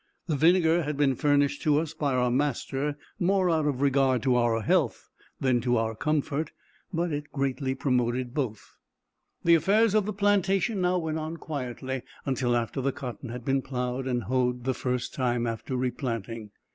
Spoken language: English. The vinegar had been furnished to us by our master, more out of regard to our health than to our comfort, but it greatly promoted both. The affairs of the plantation now went on quietly, until after the cotton had been ploughed and hoed the first time, after replanting.